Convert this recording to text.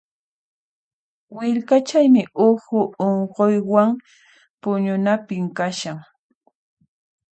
Willkachaymi uhu unquywan puñunapim kashan.